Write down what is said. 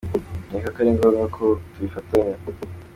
Nkeka ko ari ngombwa ko tubifatanya.